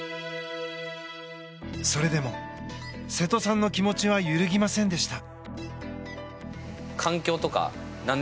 それでも瀬戸さんの気持ちは揺るぎませんでした。